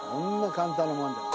簡単なものじゃない。